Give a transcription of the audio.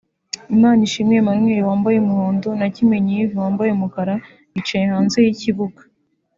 Imanishimwe Emmanuel (wambaye umuhondo) na Kimenyi Yves (wambaye umukara) bicaye hanze y'ikibuga